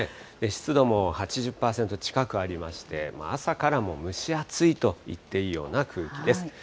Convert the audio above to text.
湿度も８０％近くありまして、朝からもう蒸し暑いといっていいような空気です。